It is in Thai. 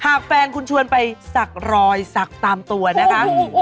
หากแฟนคุณชวนไปศักดิ์รอยศักดิ์ตามตัวนะคะ